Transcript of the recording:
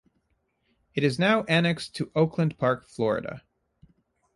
It is now annexed to Oakland Park, Florida.